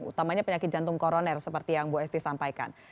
utamanya penyakit jantung koroner seperti yang bu esti sampaikan